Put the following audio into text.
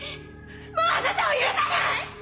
もうあなたを許さない！